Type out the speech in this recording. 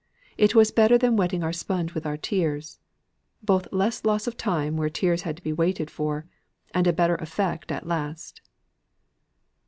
It was better than wetting our sponge with our tears; both less loss of time where tears had to be waited for, and a better effect at last."